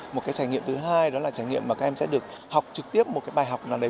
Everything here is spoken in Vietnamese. một cái trải nghiệm thứ hai đó là trải nghiệm mà các em sẽ được học trực tiếp một cái bài học nào đấy